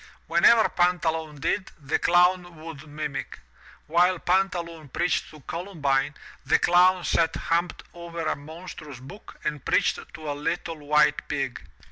Whatever Pantaloon did, the Clown would mimic. While Pantaloon preached to Columbine, the Clown sat humped over a monstrous book and preached to a little white pig.